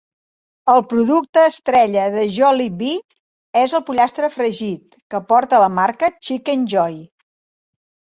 El producte estrella de Jollibee és el pollastre fregit, que porta la marca Chickenjoy.